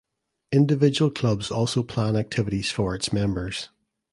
Individual clubs also plan activities for its members.